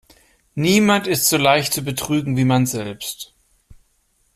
Niemand ist so leicht zu betrügen, wie man selbst.